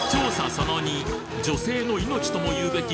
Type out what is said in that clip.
その②女性の命とも言うべき